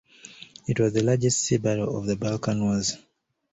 It was the largest sea battle of the Balkan Wars.